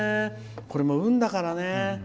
これも運だからね。